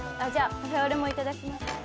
カフェオレもいただきます。